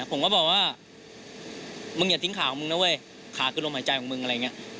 ผมก็บอกว่ามึงอย่าทิ้งขามึงนะเว้ยขาคือลมหายใจของมึงอะไรอย่างนี้